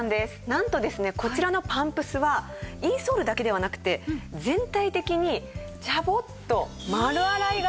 なんとですねこちらのパンプスはインソールだけではなくて全体的にジャボッと丸洗いができるんです。